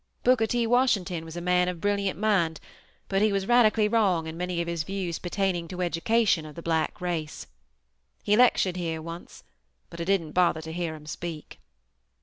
Booker T. Washington was a man of brilliant mind, but he was radically wrong in many of his views pertaining to education of the black race. He lectured here once, but I didn't bother to hear him speak.